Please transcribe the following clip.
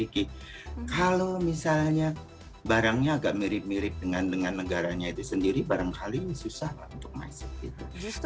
kalau misalnya barangnya agak mirip mirip dengan negaranya itu sendiri barangkali susah untuk masuk gitu